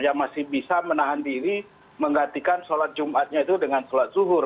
yang masih bisa menahan diri menggantikan sholat jumatnya itu dengan sholat zuhur